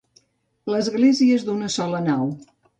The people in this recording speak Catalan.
L'església és d'una sola nau.